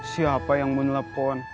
siapa yang mau nelfon